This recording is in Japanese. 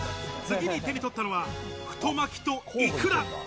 次に手に取ったのは太巻きとイクラ。